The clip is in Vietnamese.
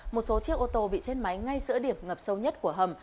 một số chiếc ô tô bị chết máy ngay giữa điểm ngập sâu nhất của hầm